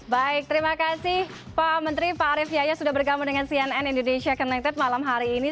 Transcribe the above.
baik terima kasih pak menteri pak arief yayo sudah bergabung dengan cnn indonesia connected malam hari ini